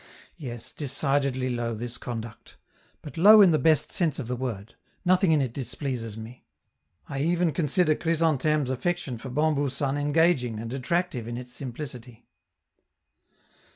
Yes, decidedly low, this conduct! but low in the best sense of the word: nothing in it displeases me; I even consider Chrysantheme's affection for Bambou San engaging and attractive in its simplicity.